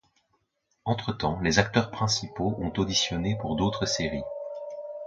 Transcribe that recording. Entre-temps, les acteurs principaux ont auditionné pour d'autres séries.